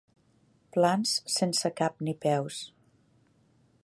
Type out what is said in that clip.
Plans sense cap ni peus.